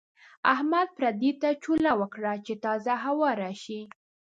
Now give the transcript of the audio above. احمد پردې ته چوله ورکړه چې تازه هوا راشي.